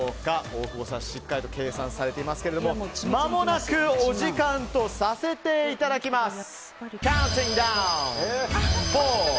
大久保さん、しっかりと計算されていますけどお時間とさせていただきます。